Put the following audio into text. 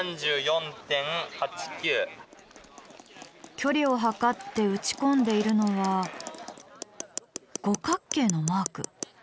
距離を測って打ち込んでいるのは五角形のマーク。